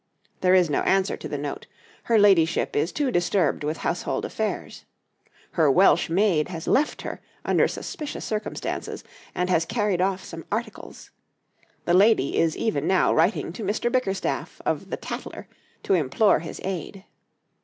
There is no answer to the note: her ladyship is too disturbed with household affairs. Her Welsh maid has left her under suspicious circumstances, and has carried off some articles. The lady is even now writing to Mr. Bickerstaff of the Tatler to implore his aid.